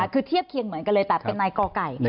คือเทียบเคียงเหมือนกันเลยแต่เป็นนายกอไก่